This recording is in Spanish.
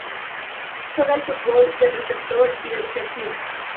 Jugó al fútbol, de receptor y de defensivo.